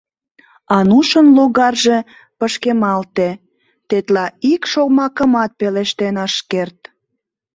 Анушын логарже пышкемалте, тетла ик шомакымат пелештен ыш керт.